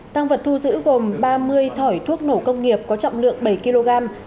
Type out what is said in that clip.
tăng vật thu giữ gồm ba mươi thỏi thuốc nổ công nghiệp có trọng lượng bảy kg